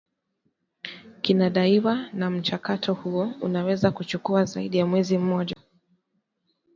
kinadaiwa na mchakato huo unaweza kuchukua zaidi ya mwezi mmoja